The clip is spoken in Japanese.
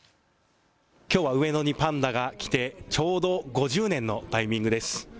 きょうは上野にパンダが来てちょうど５０年のタイミングです。